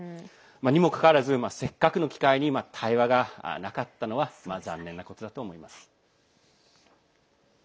にもかかわらずせっかくの機会に対話がなかったのは残念なことだと思います。